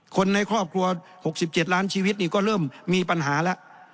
คนในครอบครัว๖๗ล้านชีวิตนี่ก็เริ่มมีปัญหาแล้ว